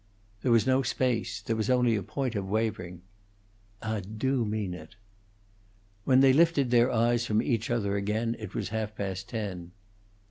There was no space, there was only a point of wavering. "Ah do mean it." When they lifted their eyes from each other again it was half past ten.